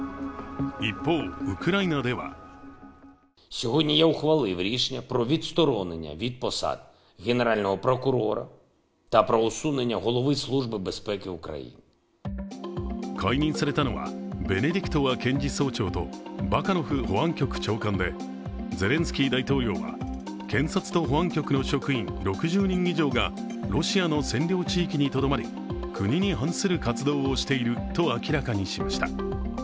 一方、ウクライナでは解任されたのはベネディクトワ検事総長とバカノフ保安局長官で、ゼレンスキー大統領は、検察と保安局の職員６０人以上がロシアの占領地域にとどまり、国に反する活動をしていると明らかにしました。